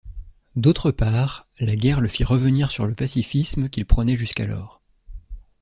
D'autre part, la Guerre le fit revenir sur le pacifisme qu'il prônait jusqu'alors.